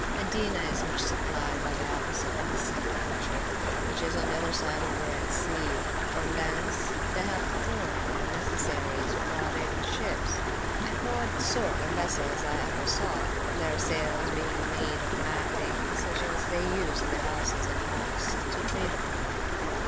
Medina is much supplied by the opposite Abyssine country, which is on the other side of the Red Sea: from thence they have corn and necessaries brought in ships: an odd sort of vessels as ever I saw, their sails being made of matting, such as they use in the houses and Mosques to tread upon.